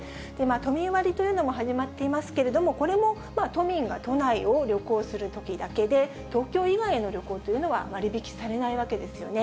都民割というのも始まっていますけれども、これも都民が都内を旅行するときだけで、東京以外の旅行というのは割引されないわけですよね。